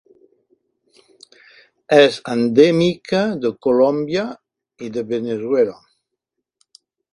És endèmica de Colòmbia i de Veneçuela.